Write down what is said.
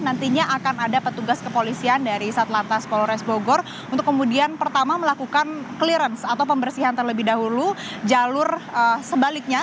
nantinya akan ada petugas kepolisian dari satlantas polres bogor untuk kemudian pertama melakukan clearance atau pembersihan terlebih dahulu jalur sebaliknya